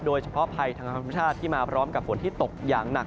โดยเฉพาะภัยทางธรรมชาติที่มาพร้อมกับฝนที่ตกอย่างหนัก